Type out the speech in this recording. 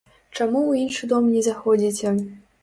Чаму ў іншы дом не заходзіце?